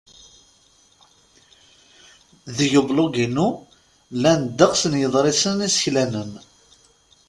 Deg ublug-inu, llan ddeqs n yiḍrisen iseklanen.